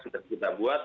sudah kita buat